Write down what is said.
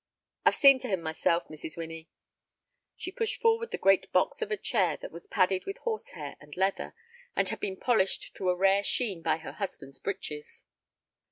"I have seen to him myself, Mrs. Winnie." She pushed forward the great box of a chair that was padded with horsehair and leather, and had been polished to a rare sheen by her husband's breeches.